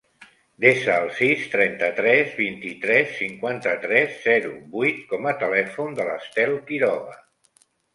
Desa el sis, trenta-tres, vint-i-tres, cinquanta-tres, zero, vuit com a telèfon de l'Estel Quiroga.